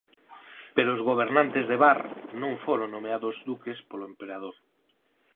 Pero os gobernantes de Bar non foron nomeados duques polo emperador.